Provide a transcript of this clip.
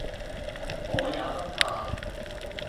我也不怕；